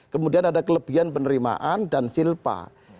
kemudian ada kelebihan penerimaan dan silpa